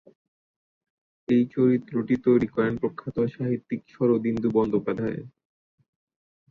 এই চরিত্রটি তৈরি করেন প্রখ্যাত সাহিত্যিক শরদিন্দু বন্দ্যোপাধ্যায়।